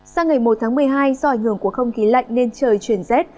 sang ngày một tháng một mươi hai do ảnh hưởng của không khí lạnh nên trời chuyển rét